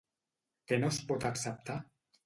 Què no es pot acceptar?